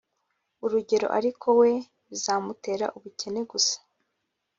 urugero ariko we bizamutera ubukene gusa